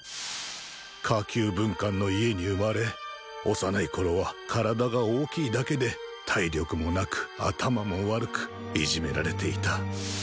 下級文官の家に生まれ幼い頃は体が大きいだけで体力もなく頭も悪くいじめられていた。